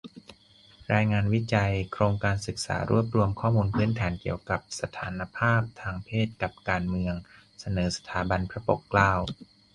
รายงานวิจัย โครงการศึกษารวบรวมข้อมูลพื้นฐานเกี่ยวกับสถานภาพทางเพศกับการเมือง - เสนอ สถาบันพระปกเกล้า